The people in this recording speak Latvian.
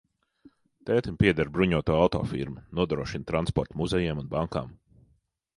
Tētim pieder bruņoto auto firma, nodrošina transportu muzejiem un bankām.